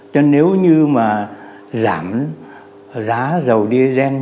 nên nếu như mà giảm giá dầu diesel nhiều hơn